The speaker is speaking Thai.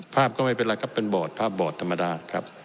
ภาพก็ไม่เป็นไรครับเป็นบ่อดภาพบ่อดธรรมดาลอ่ะครับ